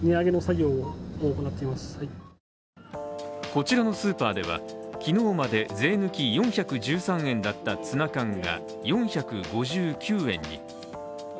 こちらのスーパーでは、昨日から税抜き４１３円だったツナ缶が４５９円に。